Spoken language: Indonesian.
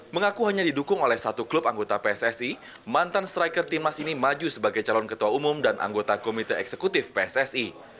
mengaku hanya didukung oleh satu klub anggota pssi mantan striker timnas ini maju sebagai calon ketua umum dan anggota komite eksekutif pssi